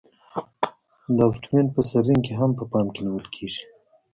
د ابټمنټ په سر رینګ هم په پام کې نیول کیږي